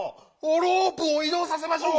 ロープをいどうさせましょう！